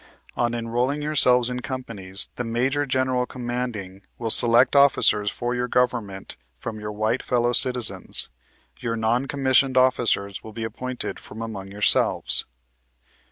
"On enrolling yourselves in companies, the major general commanding will select officers for your government from your white fellow citizens. Your non commissioned officers will be appointed from among yourselves.